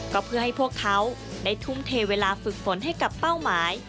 ก็เพื่อให้พวกเขาได้ทุ่มเทเวลาฝึกฝนให้กับเป้าหมาย